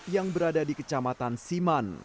yang berada di kecamatan siman